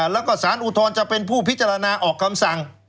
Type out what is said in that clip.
แล้วก็สารอุทธรณ์จะเป็นผู้พิจารณาออกคำสั่ง